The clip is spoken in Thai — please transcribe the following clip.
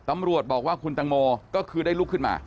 ตำรวจบอกว่าคุณตังโมก็คือได้ลุกขึ้นมา